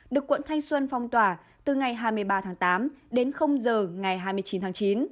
được quận thanh xuân phong tỏa từ ngày hai mươi ba tháng tám đến giờ ngày hai mươi chín tháng chín